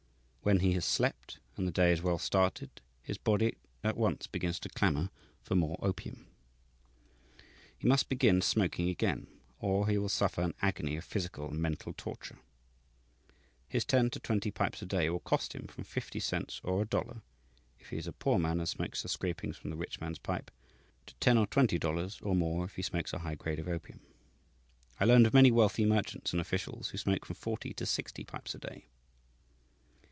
When he has slept, and the day is well started, his body at once begins to clamour for more opium. He must begin smoking again, or he will suffer an agony of physical and mental torture. His ten to twenty pipes a day will cost him from fifty cents or a dollar (if he is a poor man and smokes the scrapings from the rich man's pipe), to ten or twenty dollars (or more, if he smokes a high grade of opium). I learned of many wealthy merchants and officials who smoke from forty to sixty pipes a day.